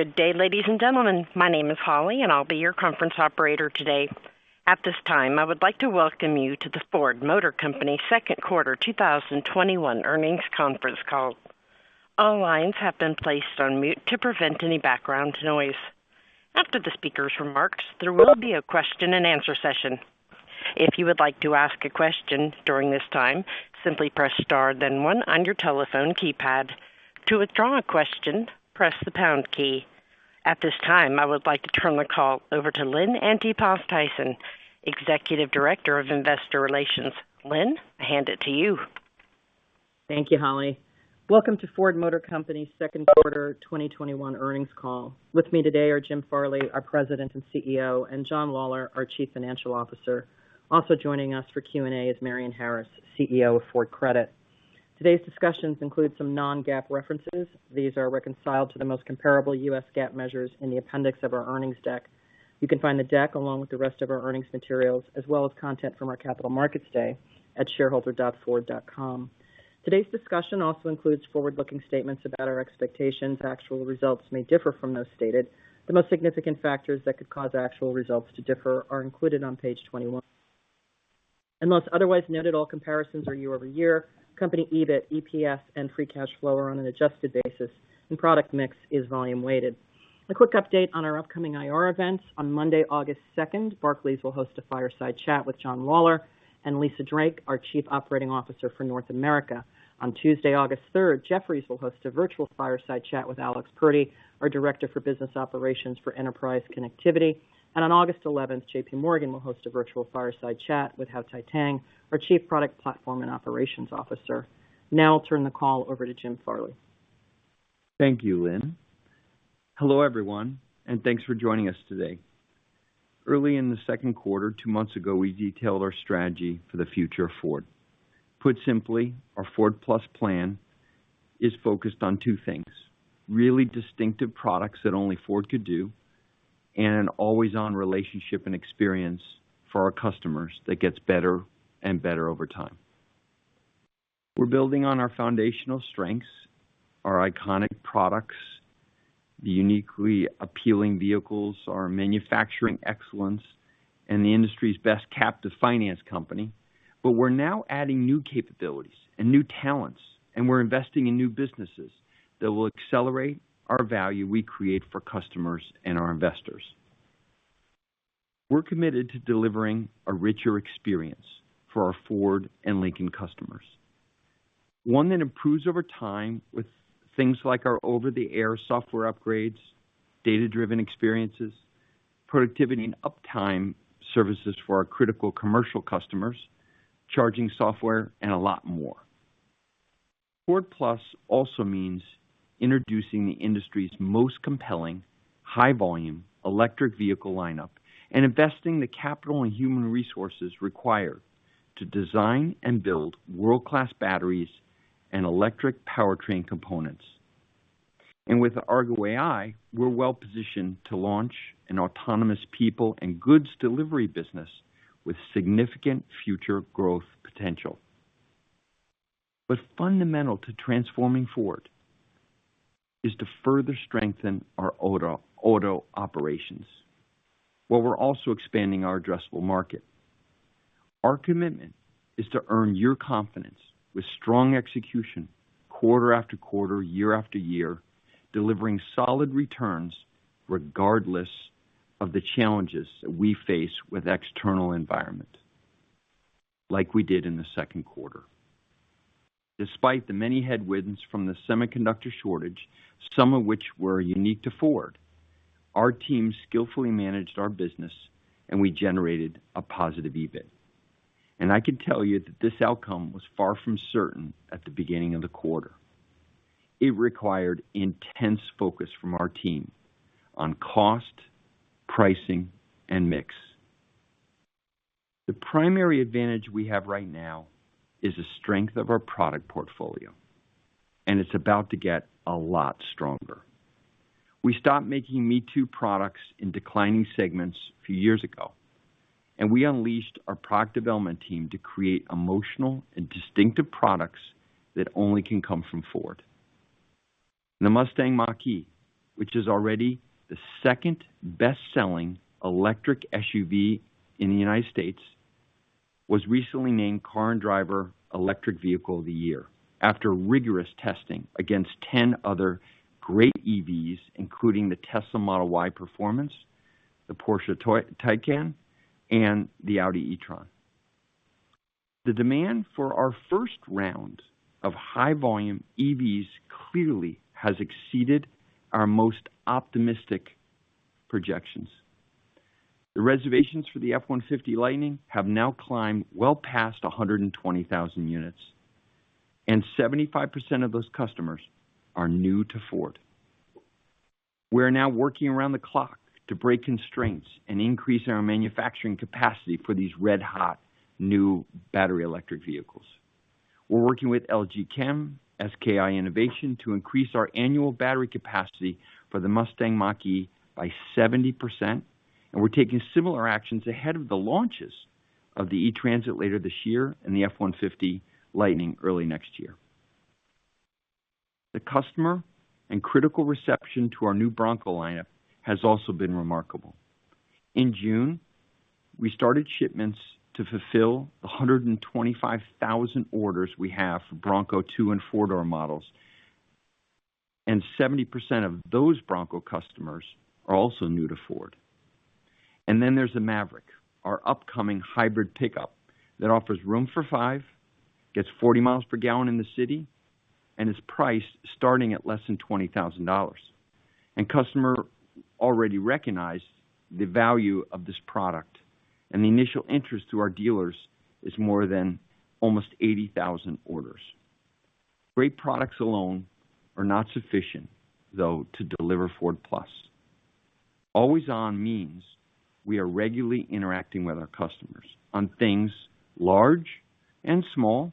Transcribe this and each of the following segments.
Good day, ladies and gentlemen. My name is Holly, and I'll be your conference operator today. At this time, I would like to welcome you to the Ford Motor Company Second Quarter 2021 Earnings Conference Call. All lines have been placed on mute to prevent any background noise. After the speaker's remarks, there will be a question-and-answer session. If you would like to ask a question during this time, simply press star then one on your telephone keypad. To withdraw a question, press the pound key. At this time, I would like to turn the call over to Lynn Antipas Tyson, Executive Director of Investor Relations. Lynn, I hand it to you. Thank you, Holly. Welcome to Ford Motor Company Second Quarter 2021 Earnings Call. With me today are Jim Farley, our President and CEO, and John Lawler, our Chief Financial Officer. Also joining us for Q&A is Marion Harris, CEO of Ford Credit. Today's discussions include some non-GAAP references. These are reconciled to the most comparable US GAAP measures in the appendix of our earnings deck. You can find the deck along with the rest of our earnings materials, as well as content from our Capital Markets Day at shareholder.ford.com. Today's discussion also includes forward-looking statements about our expectations. Actual results may differ from those stated. The most significant factors that could cause actual results to differ are included on page 21. Unless otherwise noted, all comparisons are year-over-year. Company EBIT, EPS, and free cash flow are on an adjusted basis, and product mix is volume weighted. A quick update on our upcoming IR events. On Monday, August 2nd, Barclays will host a fireside chat with John Lawler and Lisa Drake, our Chief Operating Officer for North America. On Tuesday, August 3rd, Jefferies will host a virtual fireside chat with Alex Purdy, our Director for Business Operations for Enterprise Connectivity. On August 11th, JPMorgan will host a virtual fireside chat with Hau Thai-Tang, our Chief Product Platform and Operations Officer. Now I'll turn the call over to Jim Farley. Thank you, Lynn. Hello, everyone, and thanks for joining us today. Early in the second quarter, two months ago, we detailed our strategy for the future of Ford. Put simply, our Ford+ plan is focused on two things: really distinctive products that only Ford could do and an always-on relationship and experience for our customers that gets better and better over time. We're building on our foundational strengths, our iconic products, the uniquely appealing vehicles, our manufacturing excellence, and the industry's best captive finance company. We're now adding new capabilities and new talents, and we're investing in new businesses that will accelerate our value we create for customers and our investors. We're committed to delivering a richer experience for our Ford and Lincoln customers. One that improves over time with things like our over-the-air software upgrades, data-driven experiences, productivity and uptime services for our critical commercial customers, charging software, and a lot more. Ford+ also means introducing the industry's most compelling, high volume, electric vehicle lineup and investing the capital and human resources required to design and build world-class batteries and electric powertrain components. With Argo AI, we're well-positioned to launch an autonomous people and goods delivery business with significant future growth potential. Fundamental to transforming Ford is to further strengthen our auto operations, while we're also expanding our addressable market. Our commitment is to earn your confidence with strong execution quarter after quarter, year after year, delivering solid returns regardless of the challenges that we face with external environment, like we did in the second quarter. Despite the many headwinds from the semiconductor shortage, some of which were unique to Ford, our team skillfully managed our business, and we generated a positive EBIT. I can tell you that this outcome was far from certain at the beginning of the quarter. It required intense focus from our team on cost, pricing, and mix. The primary advantage we have right now is the strength of our product portfolio, and it's about to get a lot stronger. We stopped making me-too products in declining segments a few years ago, and we unleashed our product development team to create emotional and distinctive products that only can come from Ford. The Mustang Mach-E, which is already the second best-selling electric SUV in the U.S., was recently named Car and Driver Electric Vehicle of the Year after rigorous testing against 10 other great EVs, including the Tesla Model Y Performance, the Porsche Taycan, and the Audi e-tron. The demand for our first round of high volume EVs clearly has exceeded our most optimistic projections. The reservations for the F-150 Lightning have now climbed well past 120,000 units. 75% of those customers are new to Ford. We are now working around the clock to break constraints and increase our manufacturing capacity for these red hot new battery electric vehicles. We're working with LG Chem, SK Innovation to increase our annual battery capacity for the Mustang Mach-E by 70%. We're taking similar actions ahead of the launches of the E-Transit later this year and the F-150 Lightning early next year. The customer and critical reception to our new Bronco lineup has also been remarkable. In June, we started shipments to fulfill the 125,000 orders we have for Bronco two and four-door models, and 70% of those Bronco customers are also new to Ford. Then there's the Maverick, our upcoming hybrid pickup that offers room for five, gets 40 miles per gallon in the city, and is priced starting at less than $20,000. Customer already recognize the value of this product, and the initial interest through our dealers is more than almost 80,000 orders. Great products alone are not sufficient, though, to deliver Ford+. Always On means we are regularly interacting with our customers on things large and small,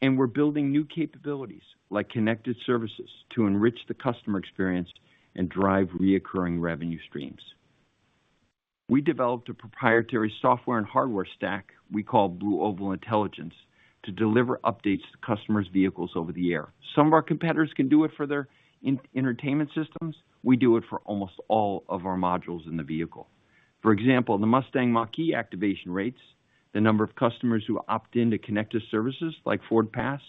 and we're building new capabilities like connected services to enrich the customer experience and drive reoccurring revenue streams. We developed a proprietary software and hardware stack we call BlueOval Intelligence to deliver updates to customers' vehicles over the air. Some of our competitors can do it for their entertainment systems. We do it for almost all of our modules in the vehicle. For example, the Mustang Mach-E activation rates, the number of customers who opt in to connected services like FordPass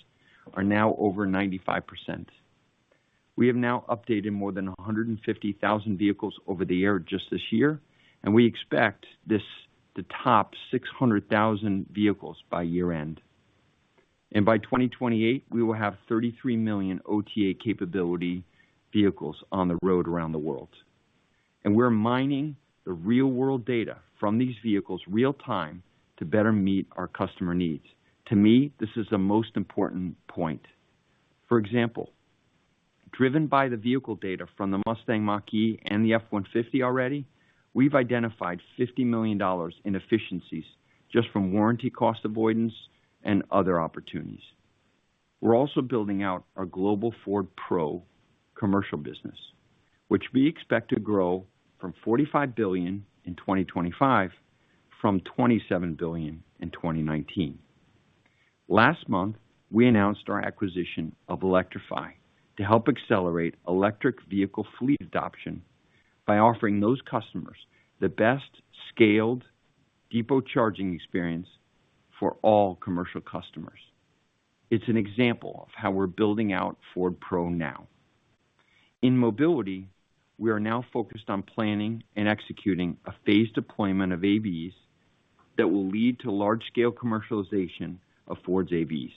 are now over 95%. We have now updated more than 150,000 vehicles over the air just this year, we expect this to top 600,000 vehicles by year-end. By 2028, we will have 33 million OTA capability vehicles on the road around the world. We're mining the real-world data from these vehicles real-time to better meet our customer needs. To me, this is the most important point. Driven by the vehicle data from the Mustang Mach-E and the F-150 already, we've identified $50 million in efficiencies just from warranty cost avoidance and other opportunities. We're also building out our global Ford Pro commercial business, which we expect to grow from $45 billion in 2025 from $27 billion in 2019. Last month, we announced our acquisition of Electriphi to help accelerate electric vehicle fleet adoption by offering those customers the best scaled depot charging experience for all commercial customers. It's an example of how we're building out Ford Pro now. In mobility, we are now focused on planning and executing a phased deployment of AVs that will lead to large-scale commercialization of Ford's AVs.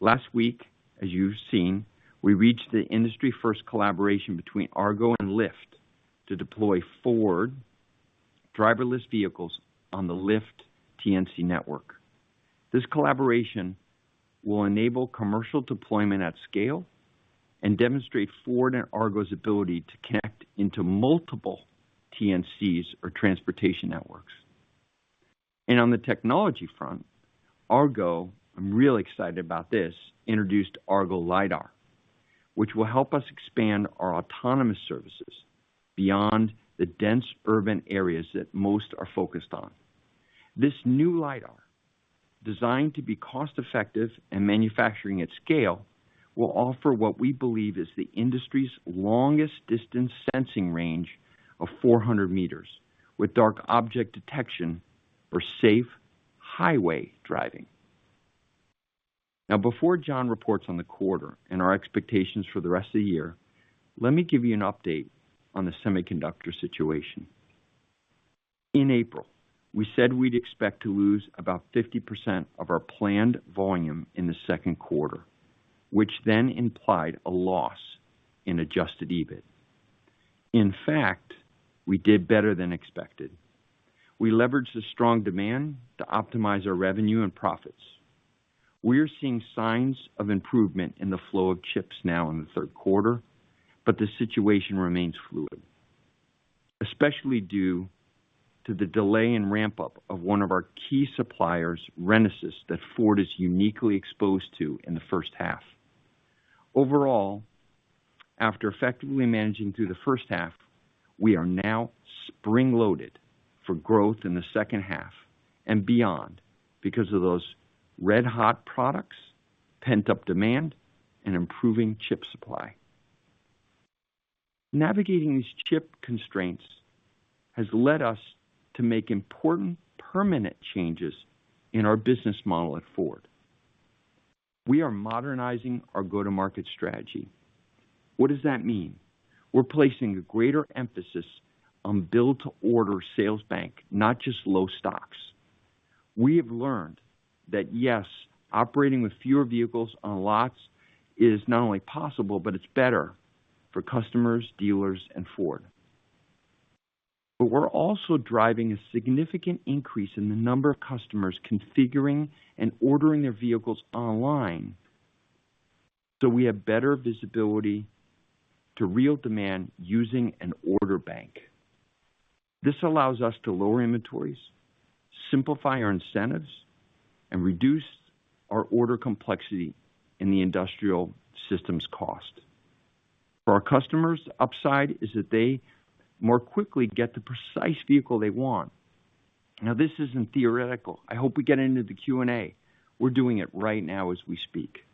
Last week, as you've seen, we reached the industry-first collaboration between Argo and Lyft to deploy Ford driverless vehicles on the Lyft TNC network. This collaboration will enable commercial deployment at scale and demonstrate Ford and Argo's ability to connect into multiple TNCs or transportation networks. On the technology front, Argo, I'm really excited about this, introduced Argo LiDAR, which will help us expand our autonomous services beyond the dense urban areas that most are focused on. This new LiDAR, designed to be cost-effective and manufacturing at scale, will offer what we believe is the industry's longest distance sensing range of 400 meters with dark object detection for safe highway driving. Before John reports on the quarter and our expectations for the rest of the year, let me give you an update on the semiconductor situation. In April, we said we'd expect to lose about 50% of our planned volume in the second quarter, which then implied a loss in adjusted EBIT. In fact, we did better than expected. We leveraged the strong demand to optimize our revenue and profits. We are seeing signs of improvement in the flow of chips now in the third quarter, but the situation remains fluid, especially due to the delay in ramp-up of one of our key suppliers, Renesas, that Ford is uniquely exposed to in the first half. Overall, after effectively managing through the first half, we are now spring-loaded for growth in the second half and beyond because of those red-hot products, pent-up demand, and improving chip supply. Navigating these chip constraints has led us to make important permanent changes in our business model at Ford. We are modernizing our go-to-market strategy. What does that mean? We're placing a greater emphasis on build-to-order sales bank, not just low stocks. We have learned that yes, operating with fewer vehicles on lots is not only possible, but it's better for customers, dealers, and Ford. We're also driving a significant increase in the number of customers configuring and ordering their vehicles online, so we have better visibility to real demand using an order bank. This allows us to lower inventories, simplify our incentives, and reduce our order complexity in the industrial systems cost. For our customers, the upside is that they more quickly get the precise vehicle they want. This isn't theoretical. I hope we get into the Q&A. We're doing it right now as we speak.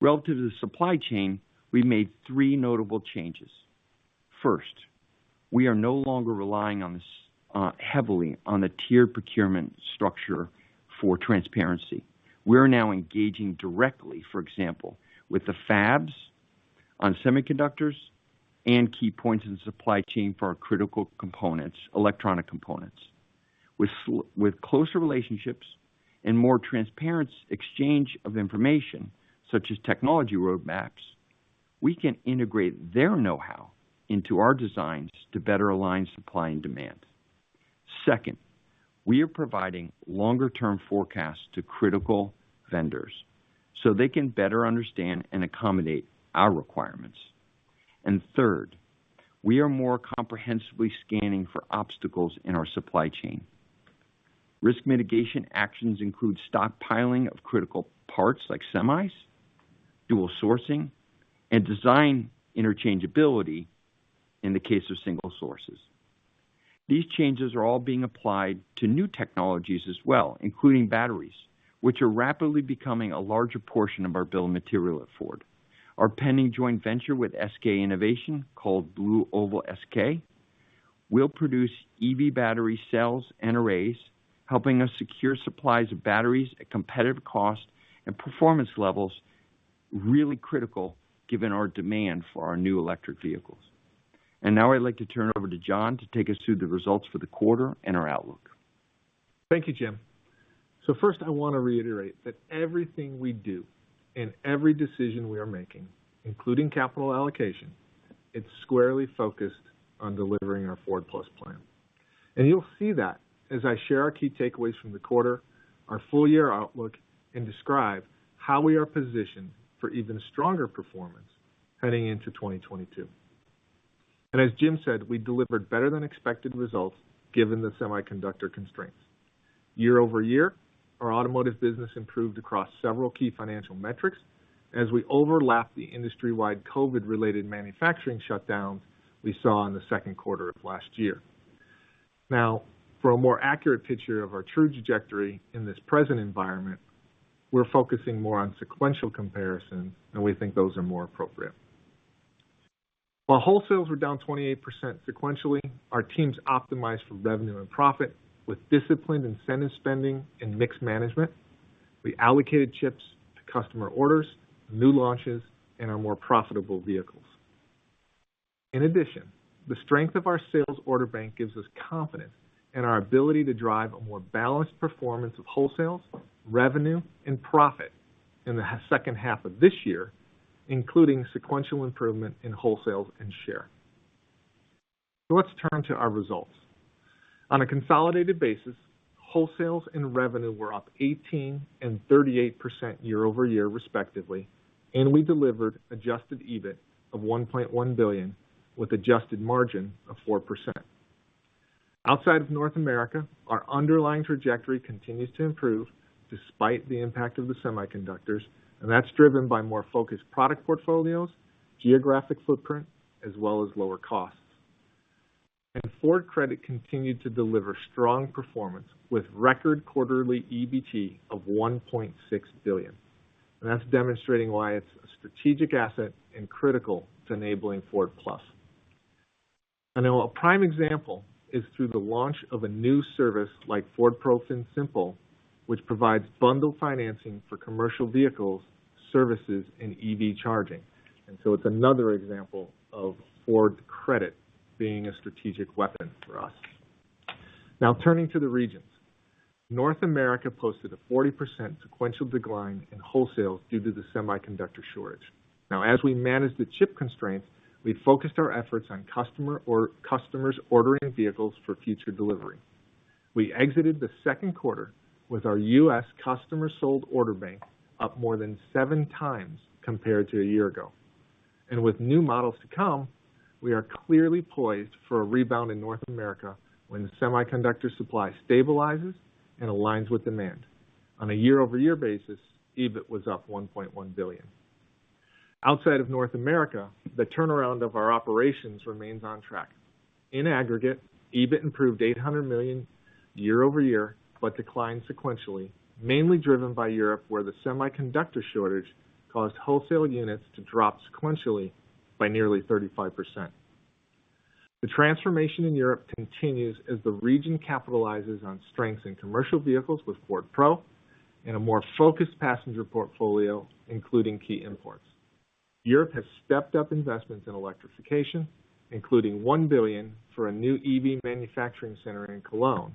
Relative to the supply chain, we made three notable changes. First, we are no longer relying heavily on the tiered procurement structure for transparency. We are now engaging directly, for example, with the fabs on semiconductors and key points in the supply chain for our critical electronic components. With closer relationships and more transparent exchange of information, such as technology roadmaps, we can integrate their know-how into our designs to better align supply and demand. Second, we are providing longer-term forecasts to critical vendors so they can better understand and accommodate our requirements. Third, we are more comprehensively scanning for obstacles in our supply chain. Risk mitigation actions include stockpiling of critical parts like semis, dual sourcing, and design interchangeability in the case of single sources. These changes are all being applied to new technologies as well, including batteries, which are rapidly becoming a larger portion of our bill of material at Ford. Our pending joint venture with SK Innovation, called BlueOval SK, will produce EV battery cells and arrays, helping us secure supplies of batteries at competitive cost and performance levels, really critical given our demand for our new electric vehicles. Now I'd like to turn it over to John to take us through the results for the quarter and our outlook. Thank you, Jim. First I want to reiterate that everything we do and every decision we are making, including capital allocation, it's squarely focused on delivering our Ford+ plan. You'll see that as I share our key takeaways from the quarter, our full-year outlook, and describe how we are positioned for even stronger performance heading into 2022. As Jim said, we delivered better than expected results given the semiconductor constraints. Year-over-year, our automotive business improved across several key financial metrics as we overlapped the industry-wide COVID-related manufacturing shutdowns we saw in the second quarter of last year. For a more accurate picture of our true trajectory in this present environment, we're focusing more on sequential comparisons, and we think those are more appropriate. While wholesales were down 28% sequentially, our teams optimized for revenue and profit with disciplined incentive spending and mixed management. We allocated chips to customer orders, new launches, and our more profitable vehicles. In addition, the strength of our sales order bank gives us confidence in our ability to drive a more balanced performance of wholesales, revenue, and profit in the second half of this year, including sequential improvement in wholesales and share. Let's turn to our results. On a consolidated basis, wholesales and revenue were up 18% and 38% year-over-year respectively, and we delivered adjusted EBIT of $1.1 billion with adjusted margin of 4%. Outside of North America, our underlying trajectory continues to improve despite the impact of the semiconductors, and that's driven by more focused product portfolios, geographic footprint, as well as lower costs. Ford Credit continued to deliver strong performance with record quarterly EBT of $1.6 billion, and that's demonstrating why it's a strategic asset and critical to enabling Ford+. Now a prime example is through the launch of a new service like Ford Pro FinSimple, which provides bundled financing for commercial vehicles, services, and EV charging. So it's another example of Ford Credit being a strategic weapon for us. Turning to the regions. North America posted a 40% sequential decline in wholesales due to the semiconductor shortage. As we manage the chip constraints, we focused our efforts on customers ordering vehicles for future delivery. We exited the second quarter with our U.S. customer sold order bank up more than 7x compared to a year ago. With new models to come, we are clearly poised for a rebound in North America when semiconductor supply stabilizes and aligns with demand. On a year-over-year basis, EBIT was up $1.1 billion. Outside of North America, the turnaround of our operations remains on track. In aggregate, EBIT improved $800 million year-over-year, but declined sequentially, mainly driven by Europe where the semiconductor shortage caused wholesale units to drop sequentially by nearly 35%. The transformation in Europe continues as the region capitalizes on strengths in commercial vehicles with Ford Pro and a more focused passenger portfolio, including key imports. Europe has stepped up investments in electrification, including $1 billion for a new EV manufacturing center in Cologne,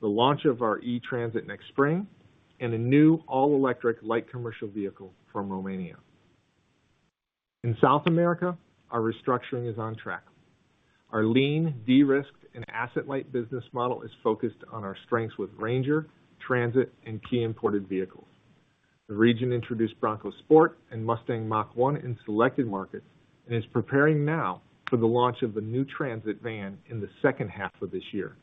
the launch of our E-Transit next spring, and a new all-electric light commercial vehicle from Romania. In South America, our restructuring is on track. Our lean, de-risked, and asset-light business model is focused on our strengths with Ranger, Transit, and key imported vehicles. The region introduced Bronco Sport and Mustang Mach 1 in selected markets and is preparing now for the launch of the new Transit van in the second half of this year.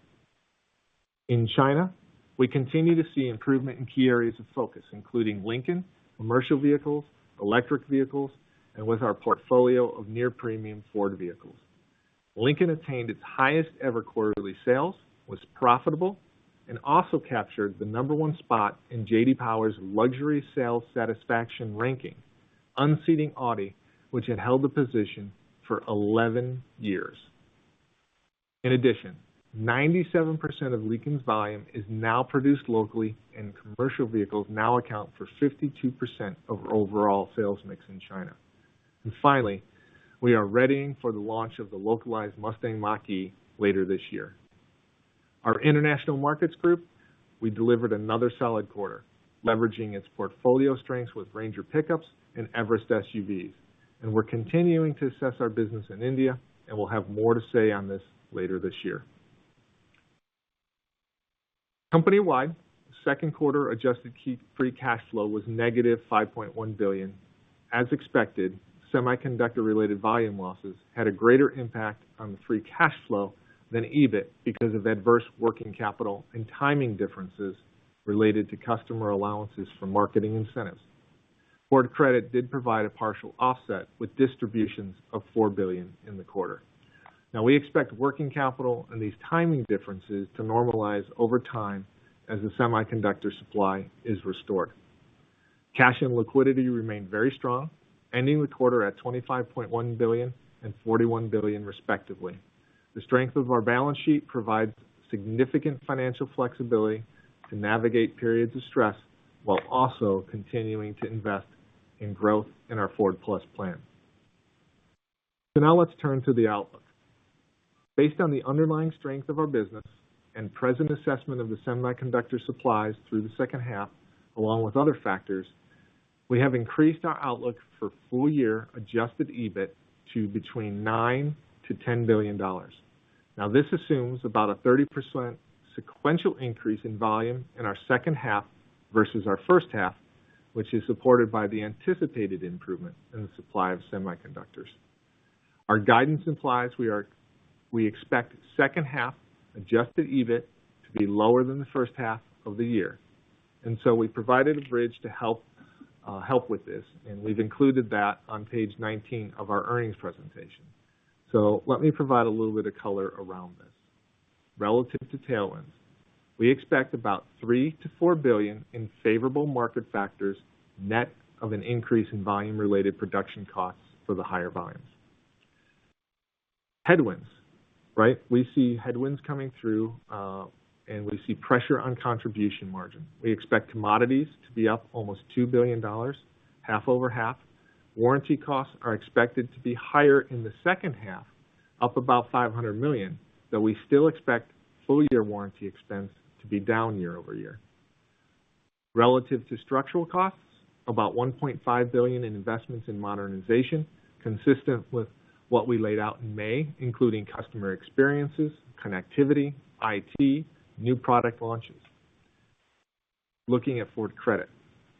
In China, we continue to see improvement in key areas of focus, including Lincoln, commercial vehicles, electric vehicles, and with our portfolio of near premium Ford vehicles. Lincoln attained its highest ever quarterly sales, was profitable, and also captured the number one spot in JD Power's luxury sales satisfaction ranking, unseating Audi, which had held the position for 11 years. In addition, 97% of Lincoln's volume is now produced locally. Commercial vehicles now account for 52% of overall sales mix in China. Finally, we are readying for the launch of the localized Mustang Mach-E later this year. Our international markets group, we delivered another solid quarter, leveraging its portfolio strengths with Ranger pickups and Everest SUVs. We're continuing to assess our business in India, and we'll have more to say on this later this year. Company-wide, second quarter adjusted key free cash flow was -$5.1 billion. As expected, semiconductor-related volume losses had a greater impact on the free cash flow than EBIT because of adverse working capital and timing differences related to customer allowances for marketing incentives. Ford Credit did provide a partial offset with distributions of $4 billion in the quarter. We expect working capital and these timing differences to normalize over time as the semiconductor supply is restored. Cash and liquidity remain very strong, ending the quarter at $25.1 billion and $41 billion respectively. The strength of our balance sheet provides significant financial flexibility to navigate periods of stress while also continuing to invest in growth in our Ford+ plan. Now let's turn to the outlook. Based on the underlying strength of our business and present assessment of the semiconductor supplies through the second half, along with other factors, we have increased our outlook for full year adjusted EBIT to between $9 billion-$10 billion. This assumes about a 30% sequential increase in volume in our second half versus our first half, which is supported by the anticipated improvement in the supply of semiconductors. Our guidance implies we expect second half adjusted EBIT to be lower than the first half of the year, and so we provided a bridge to help with this, and we've included that on page 19 of our earnings presentation. Let me provide a little bit of color around this. Relative to tailwinds, we expect about $3 billion-$4 billion in favorable market factors, net of an increase in volume-related production costs for the higher volumes. Headwinds. We see headwinds coming through, and we see pressure on contribution margin. We expect commodities to be up almost $2 billion, half-over-half. Warranty costs are expected to be higher in the second half, up about $500 million, though we still expect full-year warranty expense to be down year-over-year. Relative to structural costs, about $1.5 billion in investments in modernization consistent with what we laid out in May, including customer experiences, connectivity, IT, new product launches. Looking at Ford Credit.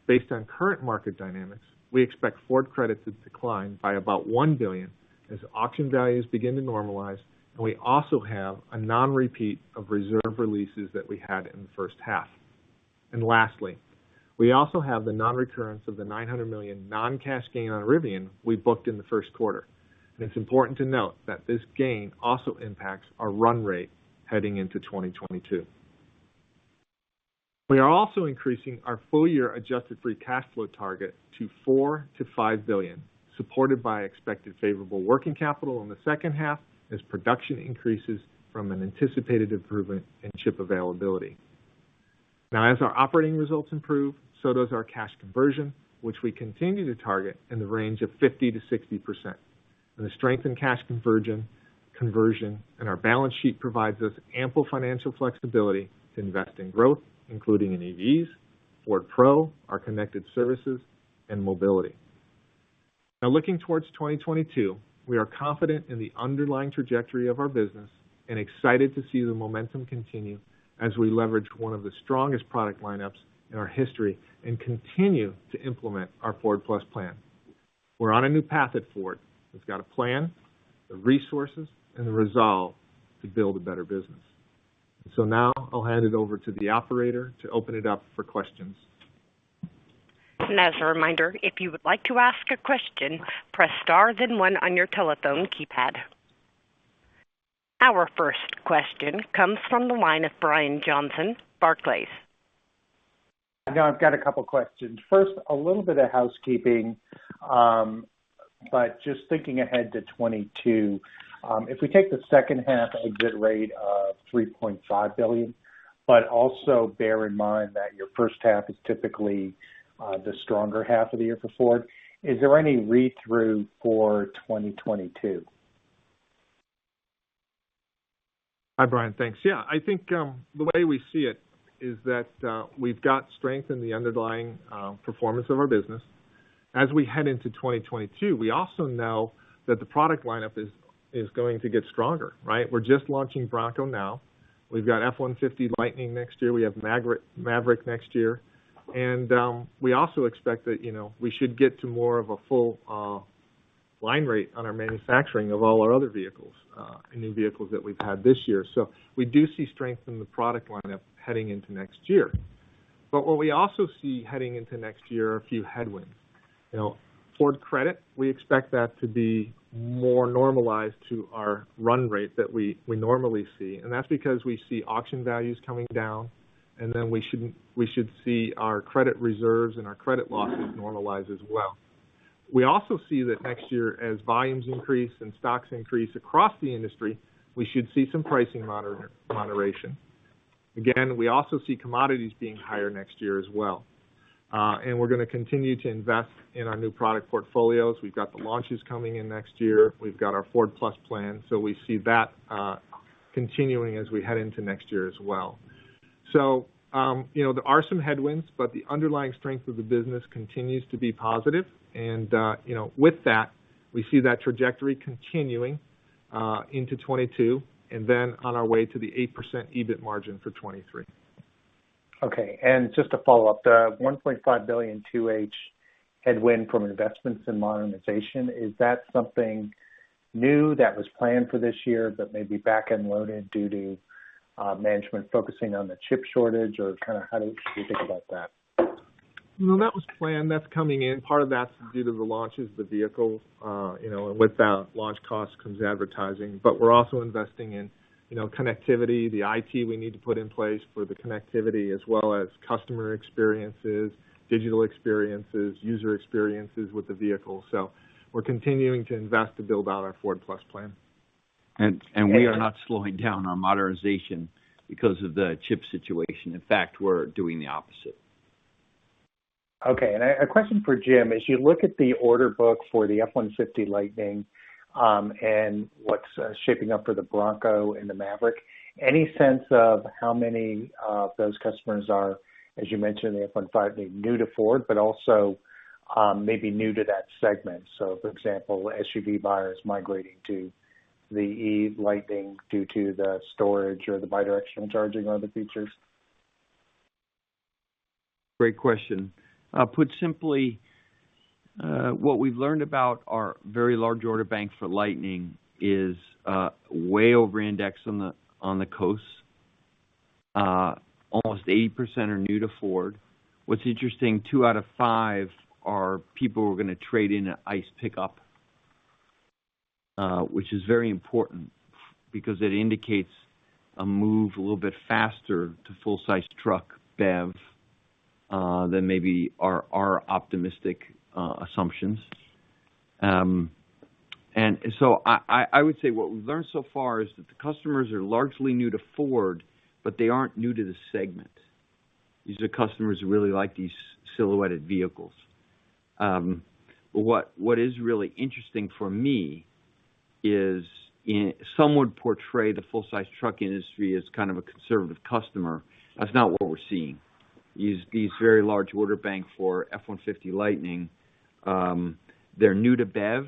Based on current market dynamics, we expect Ford Credit to decline by about $1 billion as auction values begin to normalize, and we also have a non-repeat of reserve releases that we had in the first half. Lastly, we also have the non-recurrence of the $900 million non-cash gain on Rivian we booked in the first quarter. It's important to note that this gain also impacts our run rate heading into 2022. We are also increasing our full-year adjusted free cash flow target to $4 billion-$5 billion, supported by expected favorable working capital in the second half as production increases from an anticipated improvement in chip availability. As our operating results improve, so does our cash conversion, which we continue to target in the range of 50%-60%. The strength in cash conversion and our balance sheet provides us ample financial flexibility to invest in growth, including in EVs, Ford Pro, our connected services, and mobility. Looking towards 2022, we are confident in the underlying trajectory of our business and excited to see the momentum continue as we leverage one of the strongest product lineups in our history and continue to implement our Ford+ plan. We're on a new path at Ford that's got a plan, the resources, and the resolve to build a better business. Now I'll hand it over to the operator to open it up for questions. As a reminder, if you would like to ask a question, press star then one on your telephone keypad. Our first question comes from the line of Brian Johnson, Barclays. Now I've got a couple questions. First, a little bit of housekeeping, but just thinking ahead to 2022, if we take the second half EBIT rate of $3.5 billion, but also bear in mind that your first half is typically the stronger half of the year for Ford, is there any read-through for 2022? Hi, Brian. Thanks. I think the way we see it is that we've got strength in the underlying performance of our business. As we head into 2022, we also know that the product lineup is going to get stronger. We're just launching Bronco now. We've got F-150 Lightning next year. We have Maverick next year. We also expect that we should get to more of a full line rate on our manufacturing of all our other vehicles, and new vehicles that we've had this year. What we also see heading into next year are a few headwinds. Ford Credit, we expect that to be more normalized to our run rate that we normally see, and that's because we see auction values coming down, and then we should see our credit reserves and our credit losses normalize as well. We also see that next year, as volumes increase and stocks increase across the industry, we should see some pricing moderation. Again, we also see commodities being higher next year as well. We're going to continue to invest in our new product portfolios. We've got the launches coming in next year. We've got our Ford+ plan. We see that continuing as we head into next year as well. There are some headwinds, but the underlying strength of the business continues to be positive. With that, we see that trajectory continuing into 2022, and then on our way to the 8% EBIT margin for 2023. Okay, just a follow-up, the $1.5 billion 2H headwind from investments in modernization, is that something new that was planned for this year, but maybe back-end loaded due to management focusing on the chip shortage? How do you think about that? No, that was planned. That's coming in. Part of that's due to the launches of the vehicles. With that launch cost comes advertising. We're also investing in connectivity, the IT we need to put in place for the connectivity, as well as customer experiences, digital experiences, user experiences with the vehicle. We're continuing to invest to build out our Ford+ plan. We are not slowing down our modernization because of the chip situation. In fact, we're doing the opposite. Okay. A question for Jim. As you look at the order book for the F-150 Lightning, and what's shaping up for the Bronco and the Maverick, any sense of how many of those customers are, as you mentioned, the F-150, new to Ford, but also maybe new to that segment? For example, SUV buyers migrating to the E-Lightning due to the storage or the bidirectional charging or other features? Great question. Put simply, what we've learned about our very large order bank for Lightning is way over indexed on the coast. Almost 80% are new to Ford. What's interesting, 2 out of 5 are people who are going to trade in an ICE pickup, which is very important because it indicates a move a little bit faster to full-size truck BEV than maybe our optimistic assumptions. I would say what we've learned so far is that the customers are largely new to Ford, but they aren't new to the segment. These are customers who really like these silhouetted vehicles. What is really interesting for me is some would portray the full-size truck industry as kind of a conservative customer. That's not what we're seeing. These very large order bank for F-150 Lightning, they're new to BEV.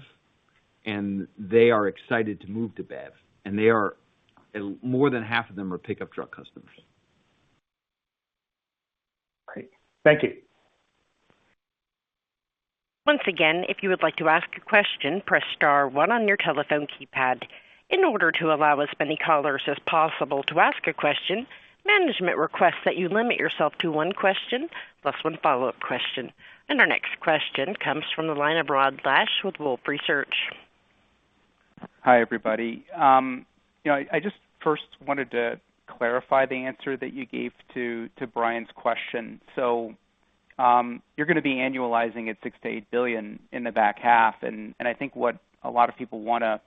They are excited to move to BEV. More than half of them are pickup truck customers. Great. Thank you. Our next question comes from the line of Rod Lache with Wolfe Research. Hi, everybody. I just first wanted to clarify the answer that you gave to Brian's question. You're going to be annualizing at $6 billion-$8 billion in the back half. I think what a lot of people want to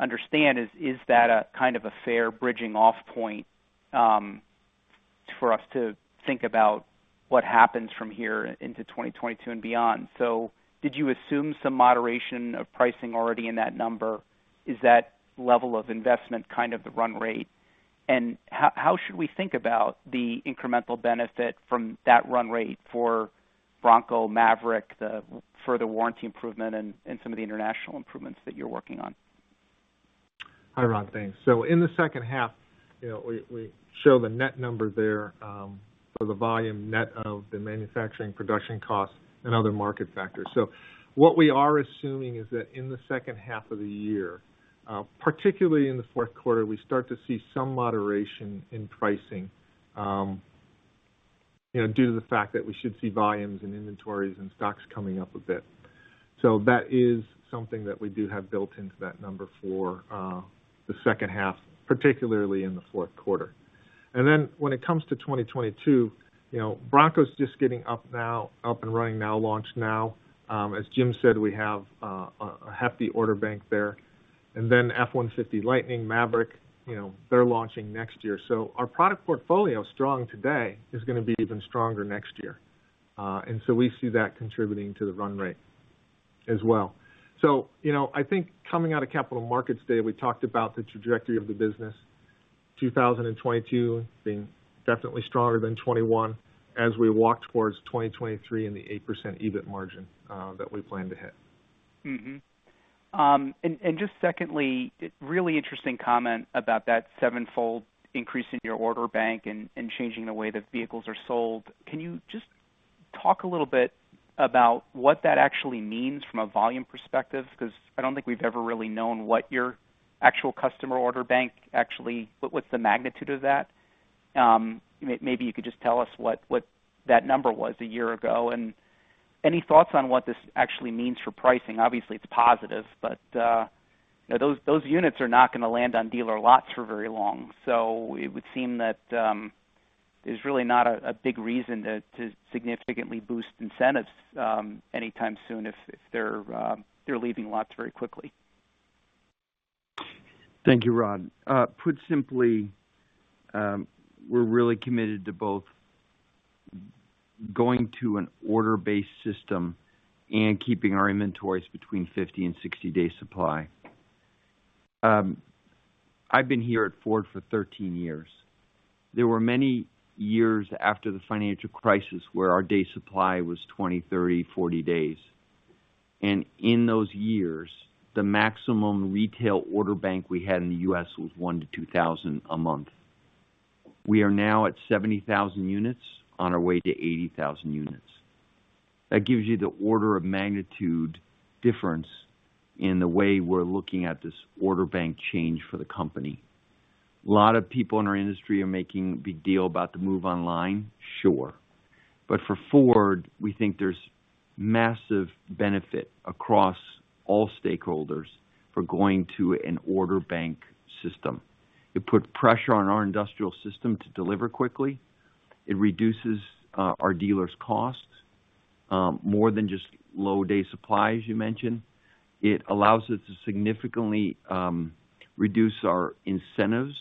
understand is that a kind of a fair bridging off point for us to think about what happens from here into 2022 and beyond. Did you assume some moderation of pricing already in that number? Is that level of investment kind of the run rate? How should we think about the incremental benefit from that run rate for Bronco, Maverick, the further warranty improvement, and some of the international improvements that you're working on? Hi, Rod. Thanks. In the second half, we show the net number there for the volume net of the manufacturing production costs and other market factors. What we are assuming is that in the second half of the year, particularly in the fourth quarter, we start to see some moderation in pricing due to the fact that we should see volumes and inventories and stocks coming up a bit. That is something that we do have built into that number for the second half, particularly in the 4th quarter. When it comes to 2022, Bronco's just getting up and running now, launched now. As Jim Farley said, we have a hefty order bank there. F-150 Lightning, Maverick, they're launching next year. Our product portfolio, strong today, is going to be even stronger next year. We see that contributing to the run rate as well. I think coming out of Capital Markets Day, we talked about the trajectory of the business, 2022 being definitely stronger than 2021 as we walked towards 2023 and the 8% EBIT margin that we plan to hit. Just secondly, really interesting comment about that 7-fold increase in your order bank and changing the way that vehicles are sold. Can you talk a little bit about what that actually means from a volume perspective, because I don't think we've ever really known what your actual customer order bank, what's the magnitude of that? Maybe you could just tell us what that number was a year ago, and any thoughts on what this actually means for pricing. Obviously, it's positive, those units are not going to land on dealer lots for very long. It would seem that there's really not a big reason to significantly boost incentives anytime soon if they're leaving lots very quickly. Thank you, Rod. Put simply, we're really committed to both going to an order-based system and keeping our inventories between 50 and 60-day supply. I've been here at Ford for 13 years. There were many years after the financial crisis where our day supply was 20, 30, 40 days. In those years, the maximum retail order bank we had in the U.S. was 1,000 to 2,000 a month. We are now at 70,000 units on our way to 80,000 units. That gives you the order of magnitude difference in the way we're looking at this order bank change for the company. A lot of people in our industry are making a big deal about the move online, sure. For Ford, we think there's massive benefit across all stakeholders for going to an order bank system. It put pressure on our industrial system to deliver quickly. It reduces our dealers' costs more than just low day supply, as you mentioned. It allows us to significantly reduce our incentives.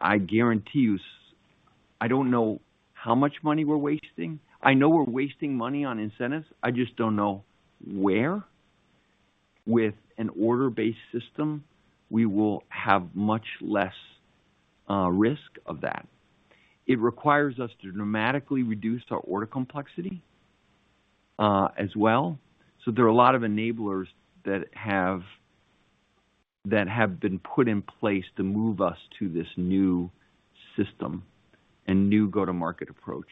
I guarantee you, I don't know how much money we're wasting. I know we're wasting money on incentives. I just don't know where. With an order-based system, we will have much less risk of that. It requires us to dramatically reduce our order complexity as well. There are a lot of enablers that have been put in place to move us to this new system and new go-to-market approach.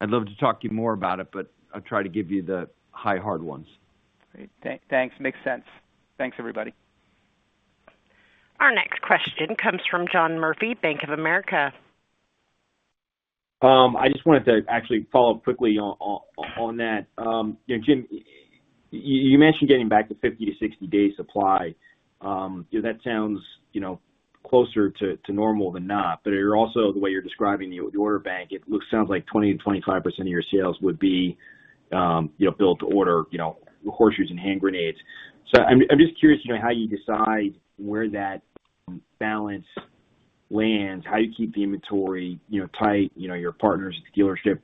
I'd love to talk to you more about it, but I'll try to give you the high hard ones. Great. Thanks. Makes sense. Thanks, everybody. Our next question comes from John Murphy, Bank of America. I just wanted to actually follow up quickly on that. Jim, you mentioned getting back to 50 to 60-day supply. That sounds closer to normal than not. The way you're describing the order bank, it sounds like 20%-25% of your sales would be built to order, horseshoes and hand grenades. I'm just curious how you decide where that balance lands, how you keep the inventory tight, your partners at the dealership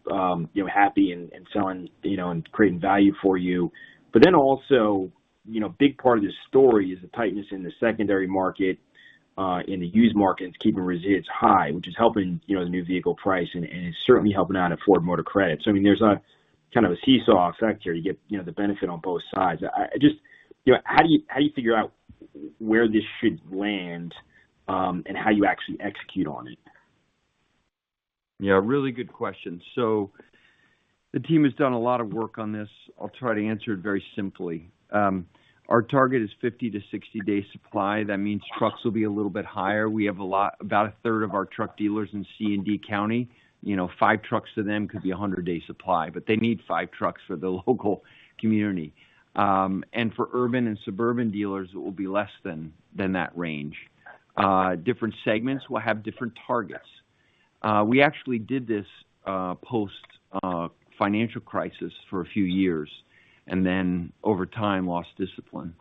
happy and selling, and creating value for you. Big part of this story is the tightness in the secondary market, in the used market, and it's keeping residuals high, which is helping the new vehicle price and is certainly helping out at Ford Motor Credit. There's a seesaw effect here. You get the benefit on both sides. How do you figure out where this should land, and how you actually execute on it? Yeah, really good question. The team has done a lot of work on this. I'll try to answer it very simply. Our target is 50 to 60-day supply. That means trucks will be a little bit higher. We have about a third of our truck dealers in C and D county. Five trucks to them could be 100-day supply, but they need five trucks for the local community. For urban and suburban dealers, it will be less than that range. Different segments will have different targets. We actually did this post-financial crisis for a few years, and then over time, lost discipline.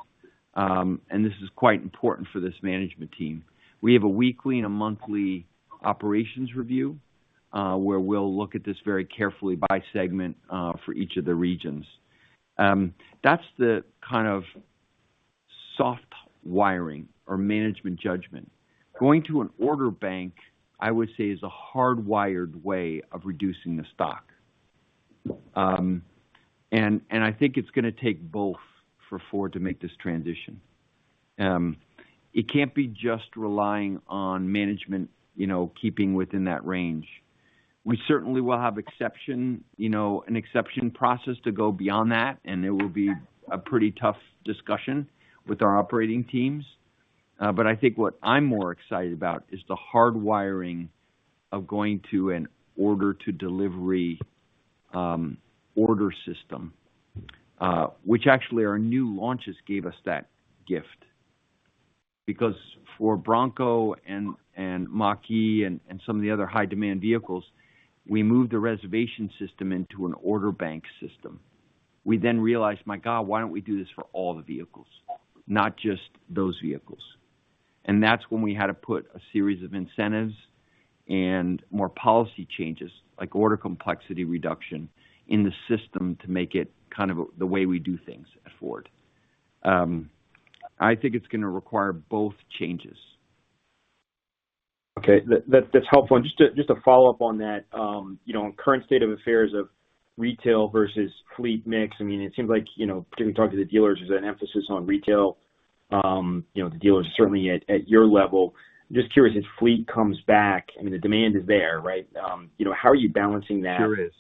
This is quite important for this management team. We have a weekly and a monthly operations review, where we'll look at this very carefully by segment for each of the regions. That's the kind of soft wiring or management judgment. Going to an order bank, I would say, is a hardwired way of reducing the stock. I think it's going to take both for Ford to make this transition. It can't be just relying on management keeping within that range. We certainly will have an exception process to go beyond that, and it will be a pretty tough discussion with our operating teams. I think what I'm more excited about is the hard wiring of going to an order-to-delivery order system, which actually our new launches gave us that gift. For Bronco and Mach-E and some of the other high-demand vehicles, we moved the reservation system into an order bank system. We realized, my God, why don't we do this for all the vehicles, not just those vehicles. That's when we had to put a series of incentives and more policy changes, like order complexity reduction, in the system to make it kind of the way we do things at Ford. I think it's going to require both changes. Okay. That's helpful. Just to follow up on that, on current state of affairs of retail versus fleet mix, it seems like, given we talked to the dealers, there's an emphasis on retail. The dealers certainly at your level. Just curious, as fleet comes back, I mean, the demand is there, right? How are you balancing that? Sure is.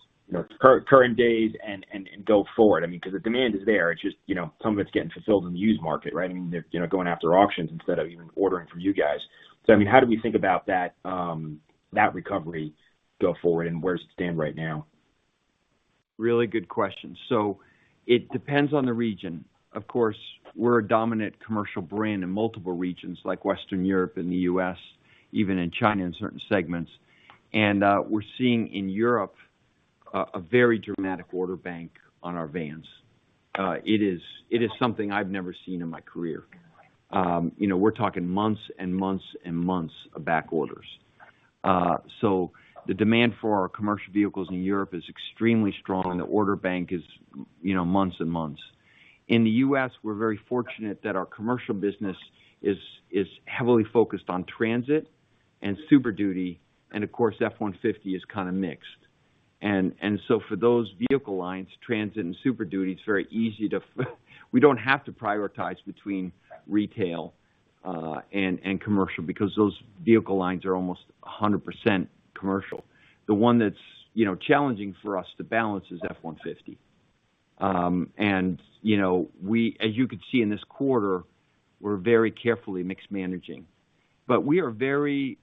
Current days and go forward? I mean, because the demand is there, it's just some of it's getting fulfilled in the used market, right? I mean, they're going after auctions instead of even ordering from you guys. I mean, how do we think about that recovery go forward and where does it stand right now? It depends on the region. Of course, we're a dominant commercial brand in multiple regions like Western Europe and the U.S., even in China in certain segments. We're seeing in Europe a very dramatic order bank on our vans. It is something I've never seen in my career. We're talking months and months and months of back orders. The demand for our commercial vehicles in Europe is extremely strong and the order bank is months and months. In the U.S., we're very fortunate that our commercial business is heavily focused on Transit and Super Duty, and of course, F-150 is kind of mixed. For those vehicle lines, Transit and Super Duty, it's very easy we don't have to prioritize between retail and commercial because those vehicle lines are almost 100% commercial. The one that's challenging for us to balance is F-150. As you could see in this quarter, we're very carefully mix managing. We are very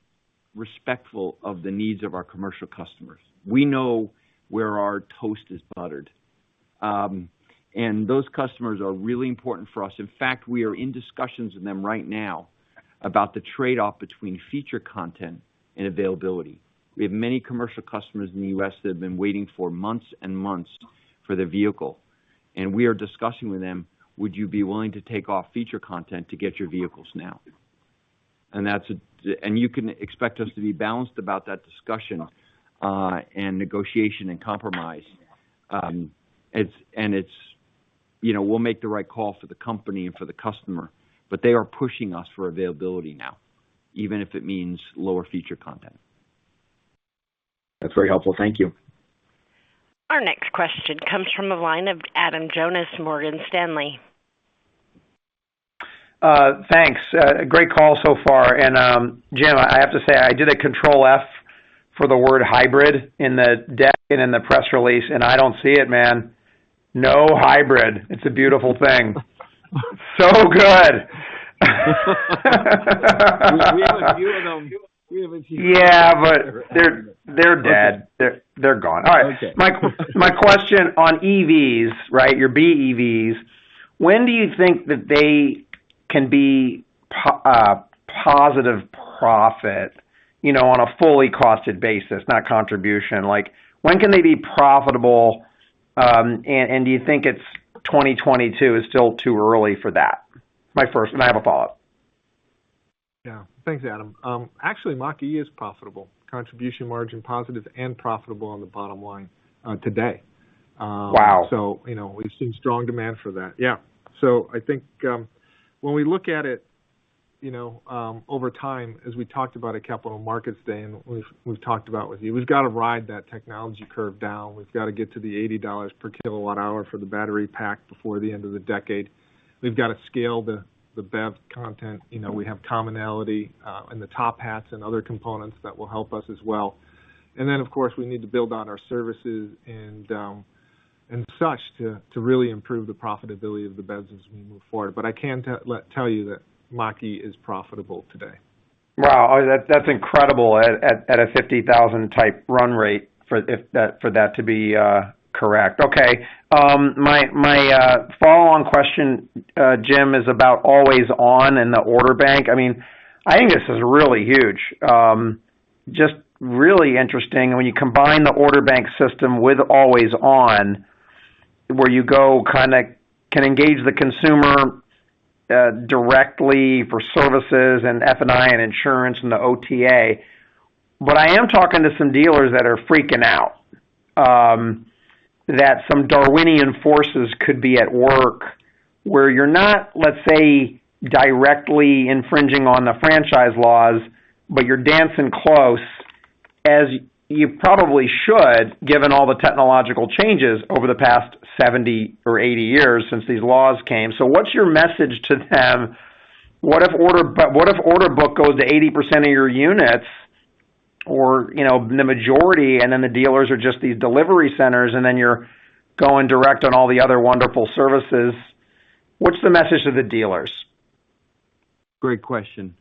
respectful of the needs of our commercial customers. We know where our toast is buttered. Those customers are really important for us. In fact, we are in discussions with them right now about the trade-off between feature content and availability. We have many commercial customers in the U.S. that have been waiting for months and months for their vehicle, and we are discussing with them, would you be willing to take off feature content to get your vehicles now? You can expect us to be balanced about that discussion, and negotiation and compromise. We'll make the right call for the company and for the customer, but they are pushing us for availability now, even if it means lower feature content. That's very helpful. Thank you. Our next question comes from the line of Adam Jonas, Morgan Stanley. Thanks. Great call so far. Jim, I have to say, I did a Ctrl F for the word hybrid in the deck and in the press release, and I don't see it, man. No hybrid. It's a beautiful thing. Good. We have a few of them. Few of them. Yeah, they're dead. They're gone. All right. Okay. My question on EVs, your BEVs, when do you think that they can be positive profit, on a fully costed basis, not contribution? When can they be profitable, and do you think it's 2022 is still too early for that? My first, and I have a follow-up. Yeah. Thanks, Adam. Actually, Mach-E is profitable, contribution margin positive and profitable on the bottom line today. Wow. We've seen strong demand for that. Yeah. I think, when we look at it over time, as we talked about at Capital Markets Day, and what we've talked about with you, we've got to ride that technology curve down. We've got to get to the $80 per kWh for the battery pack before the end of the decade. We've got to scale the BEV content. We have commonality, and the top hats and other components that will help us as well. Then, of course, we need to build out our services and such to really improve the profitability of the EVs as we move forward. I can tell you that Mach-E is profitable today. Wow. That's incredible at a 50,000 type run rate for that to be correct. My follow-on question, Jim, is about Always On and the order bank. Really interesting when you combine the order bank system with Always On, where you go kind of can engage the consumer directly for services and F&I and insurance and the OTA. I am talking to some dealers that are freaking out, that some Darwinian forces could be at work where you're not, let's say, directly infringing on the franchise laws, but you're dancing close, as you probably should, given all the technological changes over the past 70 or 80 years since these laws came. What's your message to them? What if order book goes to 80% of your units or the majority, and then the dealers are just these delivery centers, and then you're going direct on all the other wonderful services. What's the message to the dealers? Great question.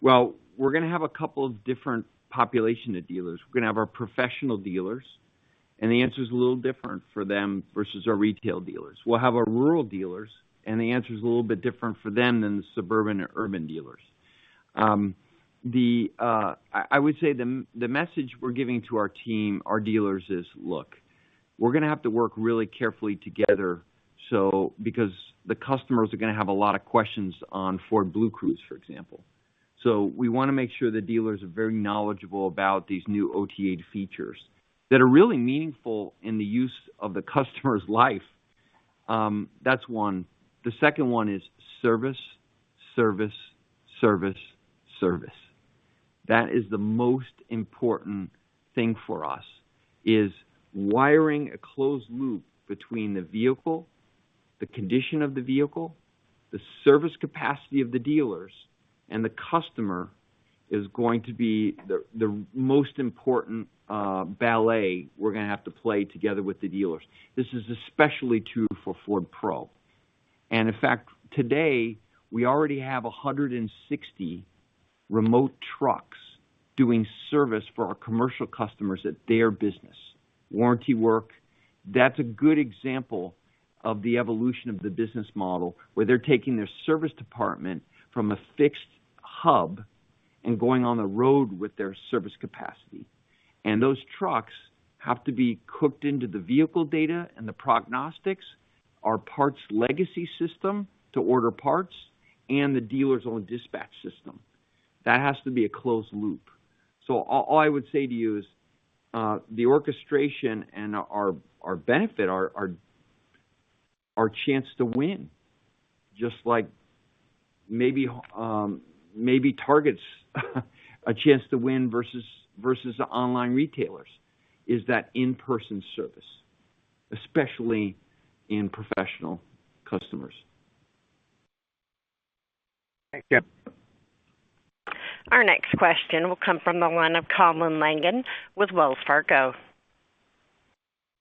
Well, we're going to have a couple of different population of dealers. We're going to have our professional dealers, and the answer's a little different for them versus our retail dealers. We'll have our rural dealers, and the answer's a little bit different for them than the suburban or urban dealers. I would say the message we're giving to our team, our dealers is, look, we're going to have to work really carefully together because the customers are going to have a lot of questions on Ford BlueCruise, for example. We want to make sure the dealers are very knowledgeable about these new OTA features that are really meaningful in the use of the customer's life. That's one. The second one is service, service. That is the most important thing for us, is wiring a closed loop between the vehicle, the condition of the vehicle, the service capacity of the dealers, and the customer is going to be the most important ballet we're going to have to play together with the dealers. This is especially true for Ford Pro. In fact, today, we already have 160 remote trucks doing service for our commercial customers at their business. Warranty work, that's a good example of the evolution of the business model, where they're taking their service department from a fixed hub and going on the road with their service capacity. Those trucks have to be cooked into the vehicle data and the prognostics, our parts legacy system to order parts, and the dealer's own dispatch system. That has to be a closed loop. All I would say to you is, the orchestration and our benefit, our chance to win, just like maybe Target's a chance to win versus the online retailers, is that in-person service, especially in professional customers. Thank you. Our next question will come from the line of Colin Langan with Wells Fargo.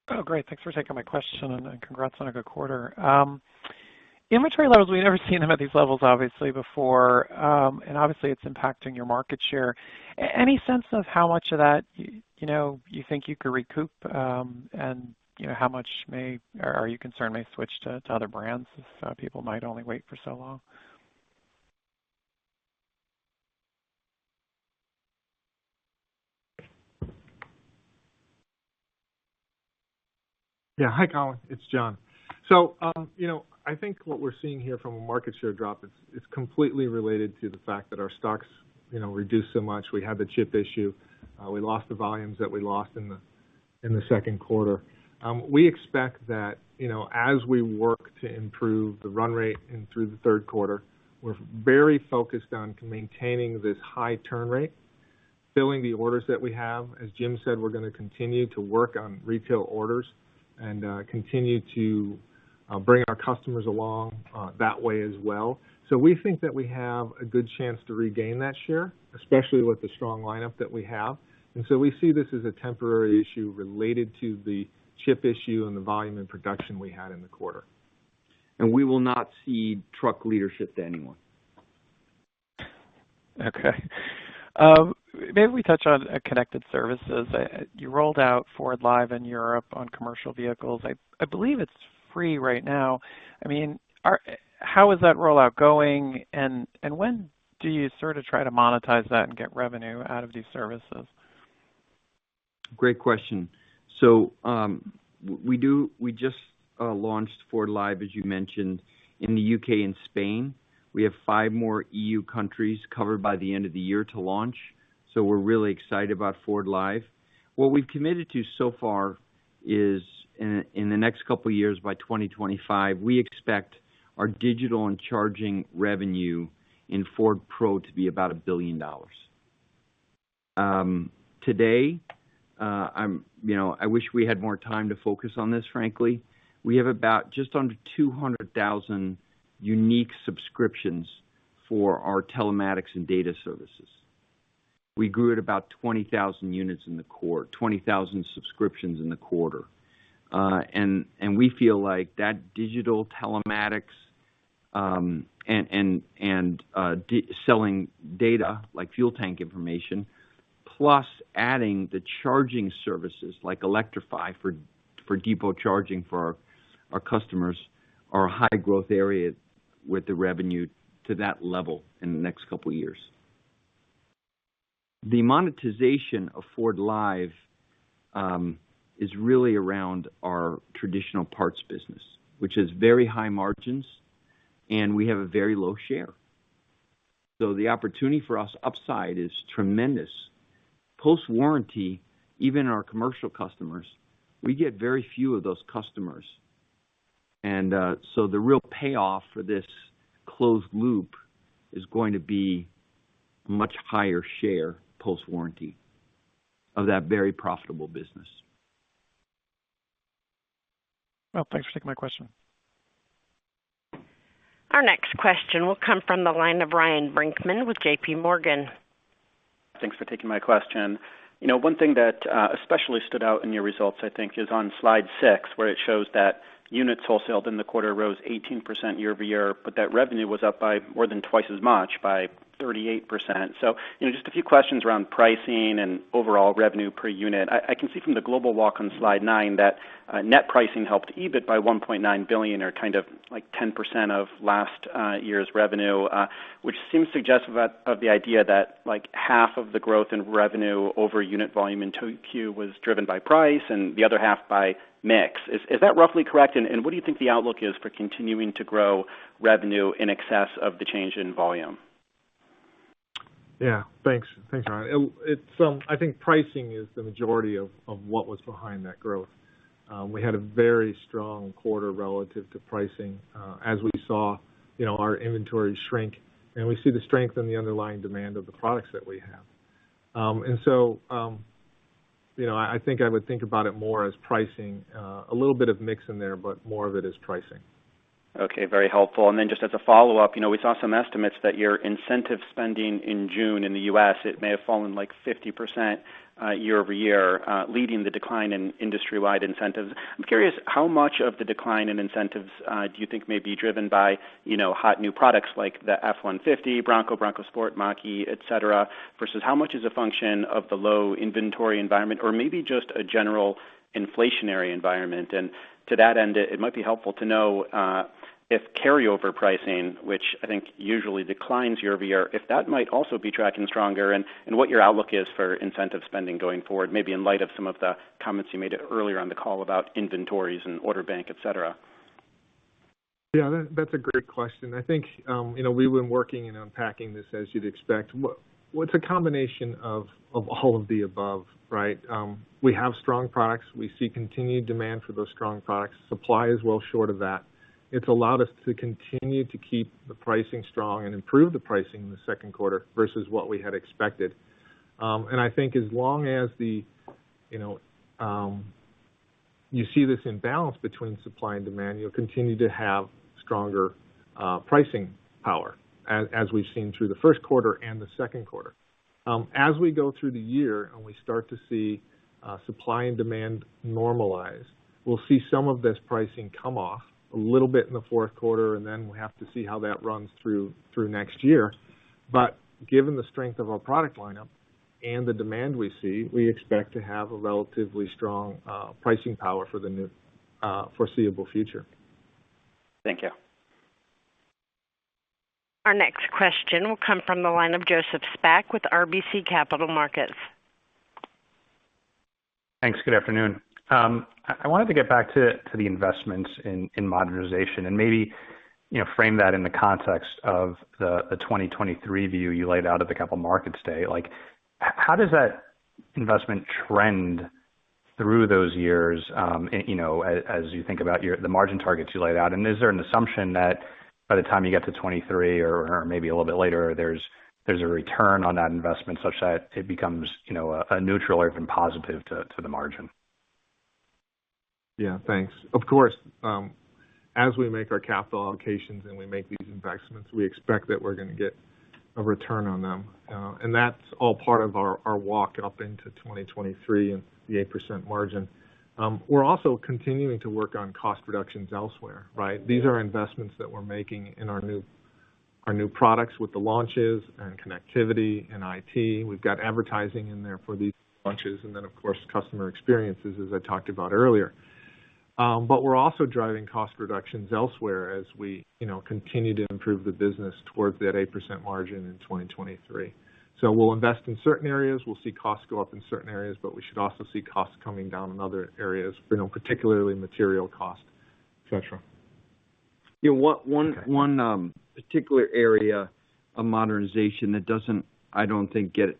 Oh, great. Thanks for taking my question and congrats on a good quarter. Inventory levels, we've never seen them at these levels obviously before. Obviously, it's impacting your market share. Any sense of how much of that you think you could recoup, and how much are you concerned may switch to other brands if people might only wait for so long? Hi, Colin. It's John. I think what we're seeing here from a market share drop is completely related to the fact that our stocks reduced so much. We had the chip issue. We lost the volumes that we lost in the second quarter. We expect that as we work to improve the run rate and through the third quarter, we're very focused on maintaining this high turn rate, filling the orders that we have. As Jim said, we're going to continue to work on retail orders and continue to bring our customers along that way as well. We think that we have a good chance to regain that share, especially with the strong lineup that we have. We see this as a temporary issue related to the chip issue and the volume and production we had in the quarter. We will not cede truck leadership to anyone. Okay. Maybe we touch on connected services. You rolled out FORDLiive in Europe on commercial vehicles. I believe it's free right now. How is that rollout going, and when do you sort of try to monetize that and get revenue out of these services? Great question. We just launched FORDLiive, as you mentioned, in the U.K. and Spain. We have five more EU countries covered by the end of the year to launch. We're really excited about FORDLiive. What we've committed to so far is in the next couple of years, by 2025, we expect our digital and charging revenue in Ford Pro to be about $1 billion. Today, I wish we had more time to focus on this, frankly. We have about just under 200,000 unique subscriptions for our telematics and data services. We grew at about 20,000 subscriptions in the quarter. We feel like that digital telematics, and selling data like fuel tank information, plus adding the charging services like Electriphi for depot charging for our customers are a high growth area with the revenue to that level in the next couple of years. The monetization of FORDLiive is really around our traditional parts business, which is very high margins, and we have a very low share. The opportunity for us upside is tremendous. Post-warranty, even our commercial customers, we get very few of those customers. The real payoff for this closed loop is going to be much higher share post-warranty of that very profitable business. Well, thanks for taking my question. Our next question will come from the line of Ryan Brinkman with JPMorgan. Thanks for taking my question. One thing that especially stood out in your results, I think, is on slide 6, where it shows that units wholesaled in the quarter rose 18% year-over-year, but that revenue was up by more than twice as much, by 38%. Just a few questions around pricing and overall revenue per unit. I can see from the global walk on slide 9 that net pricing helped EBIT by $1.9 billion, or kind of like 10% of last year's revenue, which seems suggestive of the idea that half of the growth in revenue over unit volume in 2Q was driven by price and the other half by mix. Is that roughly correct? What do you think the outlook is for continuing to grow revenue in excess of the change in volume? Yeah, thanks. Thanks, Ryan. I think pricing is the majority of what was behind that growth. We had a very strong quarter relative to pricing as we saw our inventory shrink, and we see the strength in the underlying demand of the products that we have. I think I would think about it more as pricing. A little bit of mix in there, but more of it is pricing. Okay. Very helpful. Then just as a follow-up, we saw some estimates that your incentive spending in June in the U.S., it may have fallen like 50% year-over-year, leading the decline in industry-wide incentives. I'm curious, how much of the decline in incentives do you think may be driven by hot new products like the F-150, Bronco Sport, Mach-E, et cetera, versus how much is a function of the low inventory environment or maybe just a general inflationary environment? To that end, it might be helpful to know if carryover pricing, which I think usually declines year-over-year, if that might also be tracking stronger and what your outlook is for incentive spending going forward, maybe in light of some of the comments you made earlier on the call about inventories and order bank, et cetera. Yeah, that's a great question. I think, we've been working and unpacking this, as you'd expect. It's a combination of all of the above, right? We have strong products. We see continued demand for those strong products. Supply is well short of that. It's allowed us to continue to keep the pricing strong and improve the pricing in the second quarter versus what we had expected. I think as long as you see this imbalance between supply and demand, you'll continue to have stronger pricing power, as we've seen through the first quarter and the second quarter. As we go through the year and we start to see supply and demand normalize, we'll see some of this pricing come off a little bit in the fourth quarter, and then we'll have to see how that runs through next year. Given the strength of our product lineup and the demand we see, we expect to have a relatively strong pricing power for the foreseeable future. Thank you. Our next question will come from the line of Joseph Spak with RBC Capital Markets. Thanks. Good afternoon. I wanted to get back to the investments in modernization and maybe frame that in the context of the 2023 view you laid out at the Capital Markets Day. How does that investment trend through those years, as you think about the margin targets you laid out, and is there an assumption that by the time you get to 2023 or maybe a little bit later, there's a return on that investment such that it becomes a neutral or even positive to the margin? Yeah, thanks. Of course, as we make our capital allocations and we make these investments, we expect that we're going to get a return on them. That's all part of our walk up into 2023 and the 8% margin. We're also continuing to work on cost reductions elsewhere, right? These are investments that we're making in our new products with the launches and connectivity and IT. We've got advertising in there for these launches, of course, customer experiences, as I talked about earlier. We're also driving cost reductions elsewhere as we continue to improve the business towards that 8% margin in 2023. We'll invest in certain areas, we'll see costs go up in certain areas, but we should also see costs coming down in other areas, particularly material cost, et cetera. One particular area of modernization that doesn't, I don't think, get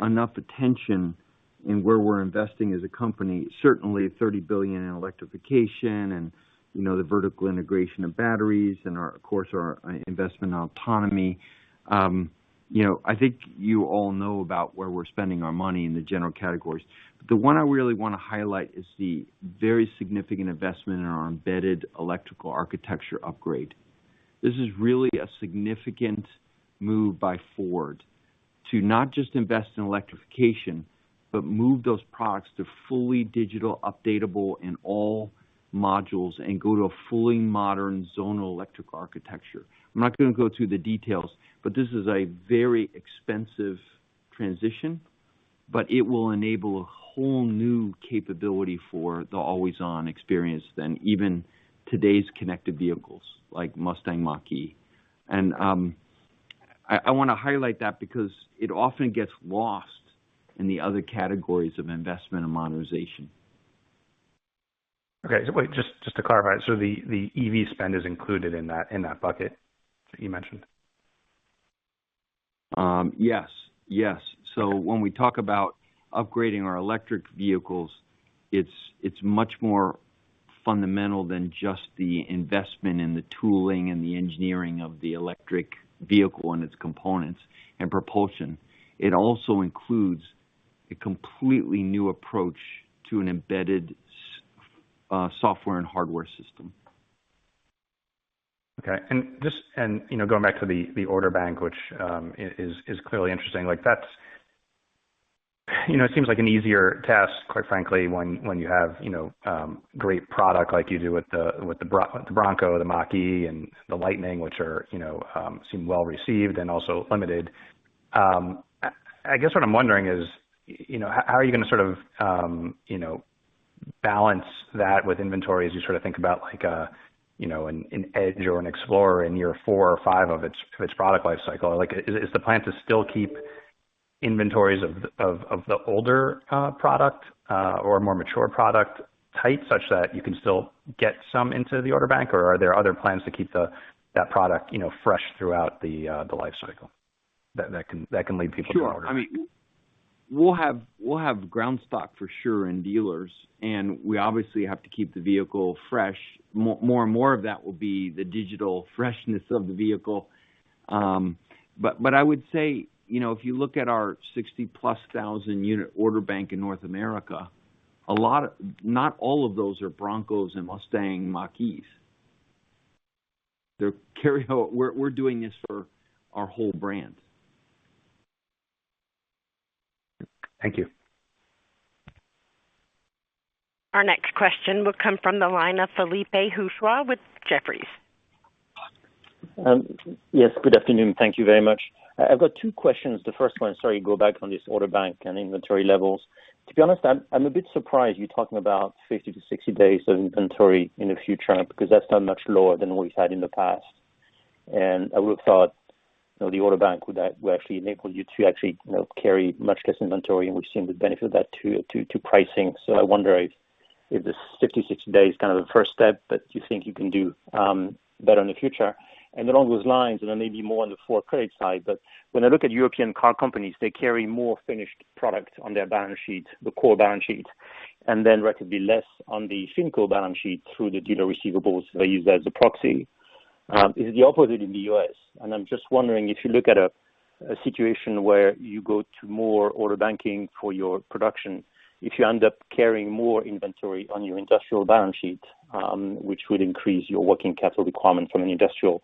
enough attention in where we're investing as a company, certainly $30 billion in electrification and the vertical integration of batteries and, of course, our investment in autonomy. I think you all know about where we're spending our money in the general categories. The one I really want to highlight is the very significant investment in our embedded electrical architecture upgrade. This is really a significant move by Ford to not just invest in electrification, but move those products to fully digital, updatable, and all modules, and go to a fully modern zonal electric architecture. I'm not going to go through the details, but this is a very expensive transition, but it will enable a whole new capability for the always-on experience than even today's connected vehicles, like Mustang Mach-E. I want to highlight that because it often gets lost in the other categories of investment and modernization. Okay. Wait, just to clarify, so the EV spend is included in that bucket that you mentioned? Yes. When we talk about upgrading our electric vehicles, it's much more fundamental than just the investment in the tooling and the engineering of the electric vehicle and its components and propulsion. It also includes a completely new approach to an embedded software and hardware system. Okay. Going back to the order bank, which is clearly interesting, it seems like an easier task, quite frankly, when you have great product like you do with the Bronco, the Mach-E, and the Lightning, which seem well-received and also limited. I guess what I'm wondering is, how are you going to sort of balance that with inventory as you sort of think about an Edge or an Explorer in year four or five of its product life cycle? Is the plan to still keep inventories of the older product or more mature product type such that you can still get some into the order bank, or are there other plans to keep that product fresh throughout the life cycle that can lead people the wrong way? Sure. We'll have ground stock for sure in dealers. We obviously have to keep the vehicle fresh. More and more of that will be the digital freshness of the vehicle. I would say, if you look at our 60,000+ unit order bank in North America, not all of those are Broncos and Mustang Mach-Es. We're doing this for our whole brand. Thank you. Our next question will come from the line of Philippe Houchois with Jefferies. Yes, good afternoon. Thank you very much. I've got two questions. The first one, sorry, go back on this order bank and inventory levels. To be honest, I'm a bit surprised you're talking about 50 to 60 days of inventory in the future, because that's so much lower than what we've had in the past. I would've thought, the order bank would actually enable you to actually carry much less inventory, and we've seen the benefit of that to pricing. I wonder if this 50, 60 days kind of the first step, but do you think you can do better in the future? Along those lines, it may be more on the Ford Credit side, but when I look at European car companies, they carry more finished product on their balance sheet, the core balance sheet, then relatively less on the FinCo balance sheet through the dealer receivables. They use that as a proxy. It is the opposite in the U.S. I'm just wondering if you look at a situation where you go to more order banking for your production, if you end up carrying more inventory on your industrial balance sheet, which would increase your working capital requirement from an industrial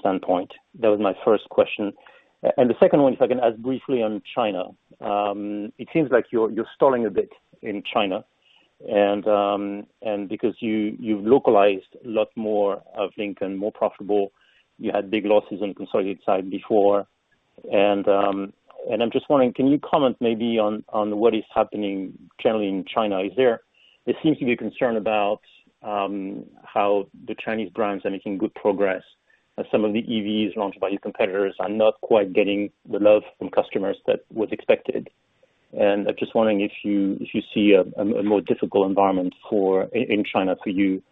standpoint. That was my first question. The second one, if I can ask briefly on China. It seems like you're stalling a bit in China because you've localized a lot more of Lincoln, more profitable. You had big losses on consolidated side before. I'm just wondering, can you comment maybe on what is happening generally in China? There seems to be a concern about how the Chinese brands are making good progress. Some of the EVs launched by your competitors are not quite getting the love from customers that was expected. I'm just wondering if you see a more difficult environment in China for you,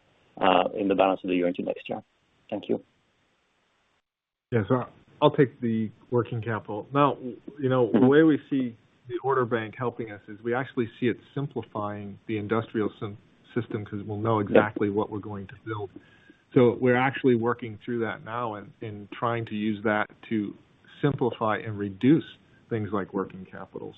in the balance of the year into next year? Thank you. Yes. I'll take the working capital. Now, the way we see the order bank helping us is we actually see it simplifying the industrial system because we'll know exactly what we're going to build. We're actually working through that now and trying to use that to simplify and reduce things like working capital.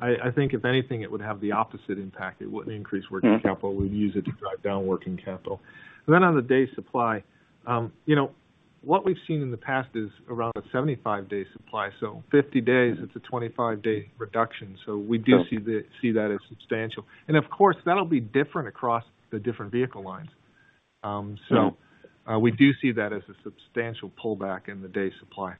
I think if anything, it would have the opposite impact. It wouldn't increase working capital. We'd use it to drive down working capital. On the day supply, what we've seen in the past is around a 75-day supply. 50 days is a 25-day reduction. We do see that as substantial. Of course, that'll be different across the different vehicle lines. We do see that as a substantial pullback in the day supply.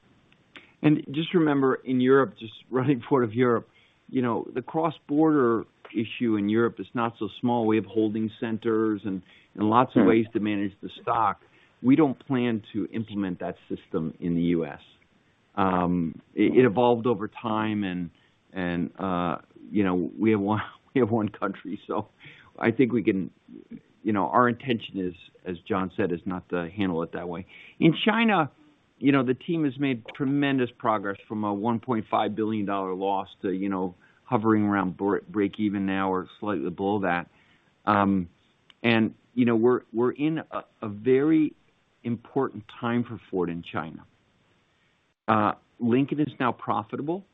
Just remember in Europe, just running Ford of Europe, the cross-border issue in Europe is not so small. We have holding centers and lots of ways to manage the stock. We don't plan to implement that system in the U.S. It evolved over time and we have one country, so our intention, as John said, is not to handle it that way. In China, the team has made tremendous progress from a $1.5 billion loss to hovering around break even now or slightly below that. We're in a very important time for Ford in China. Lincoln is now profitable,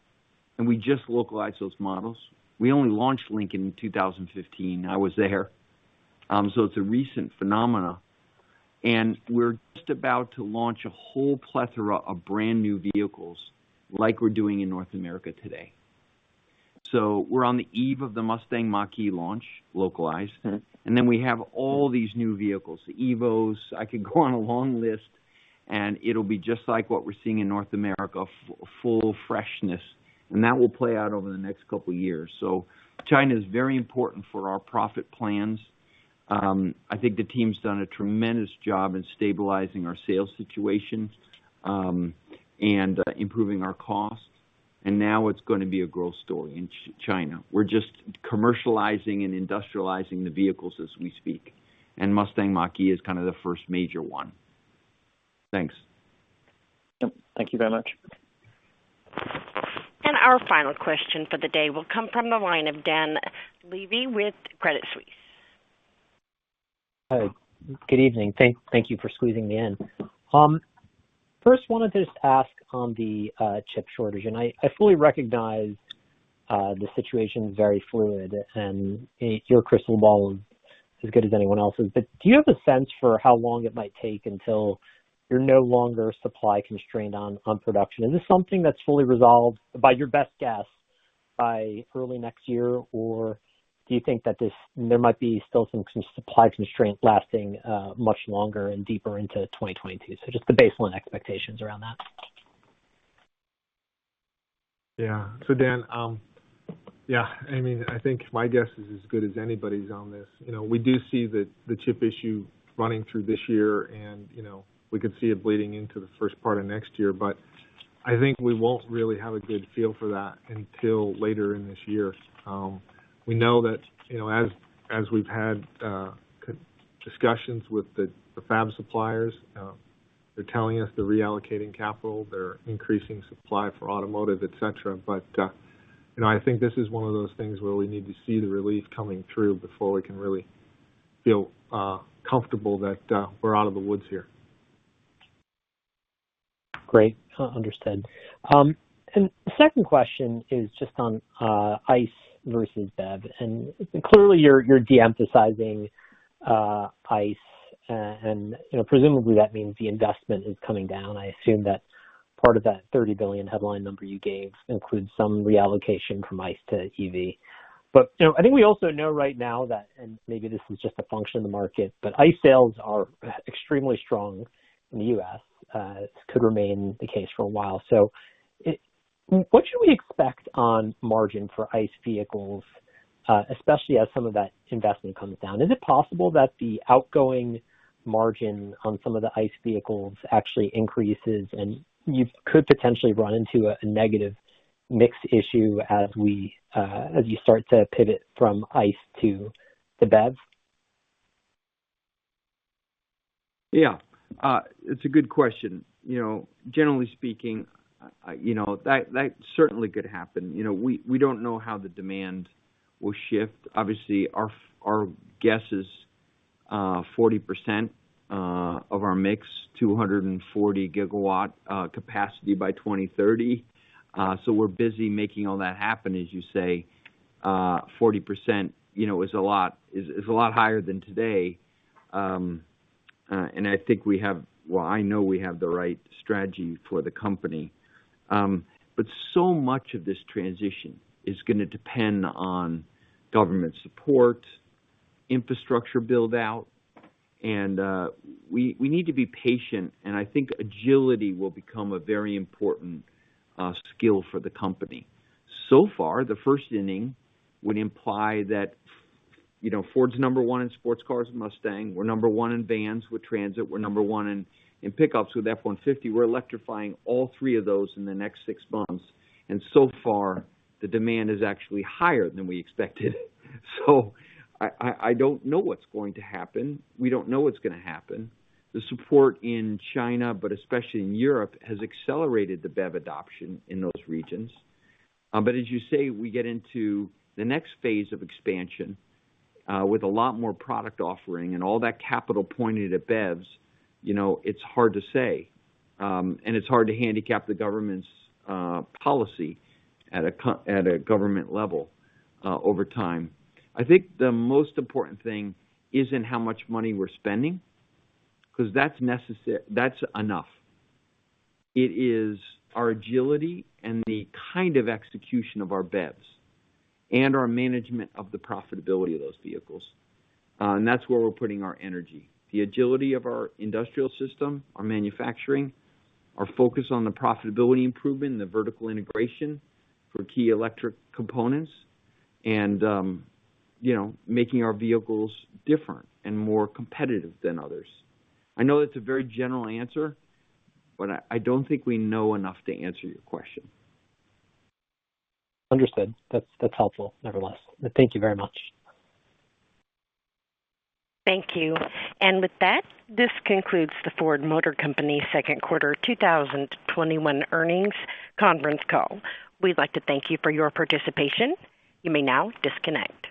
and we just localized those models. We only launched Lincoln in 2015. I was there. It's a recent phenomena, and we're just about to launch a whole plethora of brand-new vehicles like we're doing in North America today. We're on the eve of the Mustang Mach-E launch, localized. Then we have all these new vehicles, the Evos. I could go on a long list and it'll be just like what we're seeing in North America, full freshness. That will play out over the next couple of years. China is very important for our profit plans. I think the team's done a tremendous job in stabilizing our sales situation, improving our cost, now it's going to be a growth story in China. We're just commercializing and industrializing the vehicles as we speak. Mustang Mach-E is kind of the first major one. Thanks. Yep. Thank you very much. Our final question for the day will come from the line of Dan Levy with Credit Suisse. Hi. Good evening. Thank you for squeezing me in. First, wanted to just ask on the chip shortage. I fully recognize the situation is very fluid and your crystal ball is as good as anyone else's, but do you have a sense for how long it might take until you're no longer supply constrained on production? Is this something that's fully resolved, by your best guess, by early next year, or do you think that there might be still some supply constraints lasting much longer and deeper into 2022? Just the baseline expectations around that. Yeah. Dan, I think my guess is as good as anybody's on this. We do see the chip issue running through this year and we could see it bleeding into the first part of next year. I think we won't really have a good feel for that until later in this year. We know that as we've had discussions with the fab suppliers. They're telling us they're reallocating capital, they're increasing supply for automotive, et cetera. I think this is one of those things where we need to see the relief coming through before we can really feel comfortable that we're out of the woods here. Great. Understood. The second question is just on ICE versus BEV. Clearly you're de-emphasizing ICE and presumably that means the investment is coming down. I assume that part of that $30 billion headline number you gave includes some reallocation from ICE to EV. I think we also know right now that, maybe this is just a function of the market, ICE sales are extremely strong in the U.S. This could remain the case for a while. What should we expect on margin for ICE vehicles, especially as some of that investment comes down? Is it possible that the outgoing margin on some of the ICE vehicles actually increases, and you could potentially run into a negative mix issue as you start to pivot from ICE to the BEV? Yeah. It's a good question. Generally speaking, that certainly could happen. We don't know how the demand will shift. Obviously, our guess is 40% of our mix, 240 gigawatt capacity by 2030. We're busy making all that happen, as you say, 40% is a lot higher than today. I think we have, well, I know we have the right strategy for the company. So much of this transition is going to depend on government support, infrastructure build-out, and we need to be patient, and I think agility will become a very important skill for the company. Far, the first inning would imply that Ford's number one in sports cars with Mustang. We're number one in vans with Transit. We're number one in pickups with F-150. We're electrifying all three of those in the next six months, so far, the demand is actually higher than we expected. I don't know what's going to happen. We don't know what's going to happen. The support in China, especially in Europe, has accelerated the BEV adoption in those regions. As you say, we get into the next phase of expansion, with a lot more product offering and all that capital pointed at BEVs, it's hard to say, it's hard to handicap the government's policy at a government level, over time. I think the most important thing isn't how much money we're spending, because that's enough. It is our agility and the kind of execution of our BEVs, our management of the profitability of those vehicles. That's where we're putting our energy. The agility of our industrial system, our manufacturing, our focus on the profitability improvement and the vertical integration for key electric components, and making our vehicles different and more competitive than others. I know that's a very general answer, but I don't think we know enough to answer your question. Understood. That's helpful, nevertheless. Thank you very much. Thank you. With that, this concludes the Ford Motor Company Second Quarter 2021 Earnings Conference Call. We'd like to thank you for your participation. You may now disconnect.